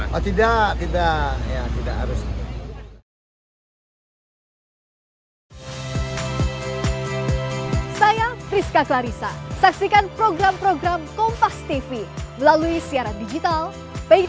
berarti tidak harus terpusat ya pak